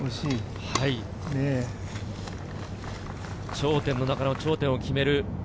頂点の中の頂点を決める